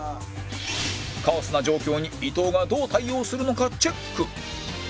カオスな状況に伊藤がどう対応するのかチェック